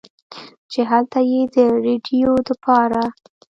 چې هلته ئې د رېډيو دپاره